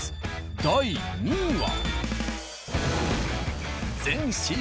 第２位は。